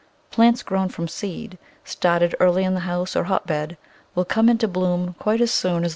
Plants grown from seed, started early in the house or hotbed, will come into bloom quite as soon as those grown from tubers.